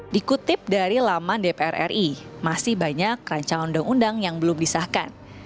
dikutip dari laman dpr ri masih banyak rancangan undang undang yang belum disahkan